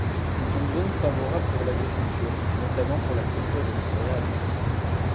C'est une zone favorable pour l'agriculture, notamment pour la culture de céréales.